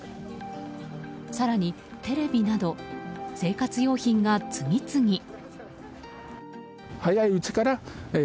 更に、テレビなど生活用品が次々。